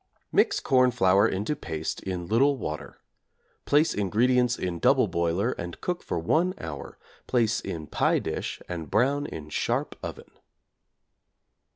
Mix corn flour into paste in little water; place ingredients in double boiler and cook for 1 hour, place in pie dish and brown in sharp oven.